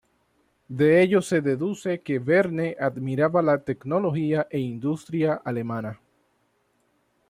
De ello se deduce que Verne admiraba la tecnología e industria alemana.